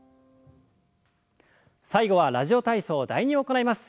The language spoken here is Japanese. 最後は「ラジオ体操第２」を行います。